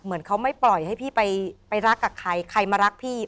เหมือนเขาไม่ปล่อยให้พี่ไปรักกับใครใครมารักพี่